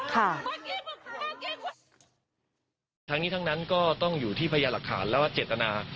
ทั้งนี้ทั้งนั้นก็ต้องอยู่ที่พยาหลักฐานและเจตนา